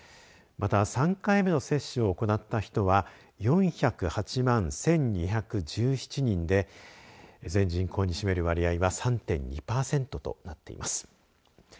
また、３回目の接種を行った人は４０８万１２１７人で全人口に占める割合は３．２パーセントとなっています。